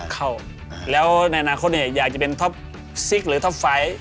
เข้าแล้วในอนาคตเนี่ยอยากจะเป็นท็อปซิกหรือท็อปไฟต์